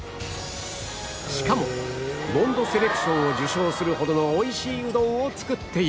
しかもモンドセレクションを受賞するほどの美味しいうどんを作っている